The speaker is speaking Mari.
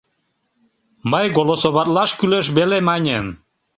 Мый, голосоватлаш кӱлеш веле маньым.